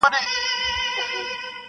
د پیربابا زیارت دی -